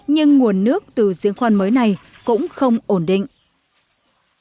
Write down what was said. nhưng nguồn nước từ diễn khoan mới này cũng không ổn định